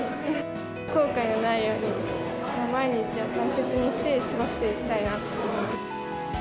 後悔のないように、毎日を大切にして過ごしていきたいなと思います。